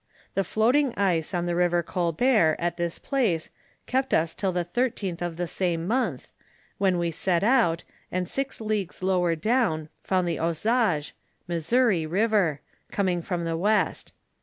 The floating ice on the river Colbert, at this place, kept us till the 13th of the same month, when we set out, and six leagues lower down, found the Ozage (Missouri) river, coming from the west.